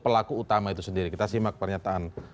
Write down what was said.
pelaku utama itu sendiri kita simak pernyataan